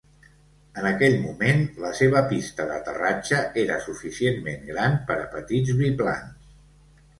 En aquell moment, la seva pista d'aterratge era suficientment gran per a petits biplans.